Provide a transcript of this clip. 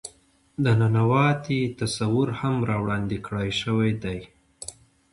د ننواتې تصور هم را وړاندې کړے شوے دے.